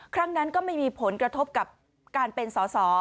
ครั้งนั้นก็ไม่มีผลกระทบกับการเป็นสอสอ